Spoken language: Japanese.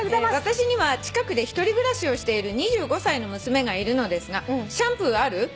私には近くで１人暮らしをしている２５歳の娘がいるのですが『シャンプーある？』